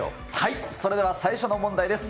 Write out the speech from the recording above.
それでは最初の問題です。